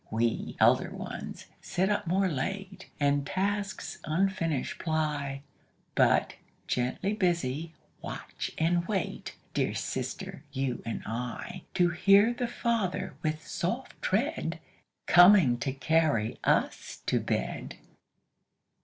We, elder ones, sit up more late, And tasks unfinished ply, But, gently busy, watch and wait Dear sister, you and I, To hear the Father, with soft tread, Coming to carry us to bed.